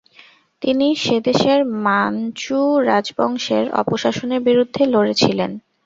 তিনি সেদেশের মানচু রাজবংশের অপশাসনের বিরুদ্ধে লড়ে ছিলেন।